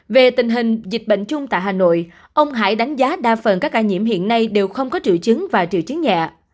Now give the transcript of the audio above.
về tình hình dịch bệnh chung tại hà nội ông hải đánh giá đa phần các ca nhiễm hiện nay đều không có triệu chứng và triệu chứng nhẹ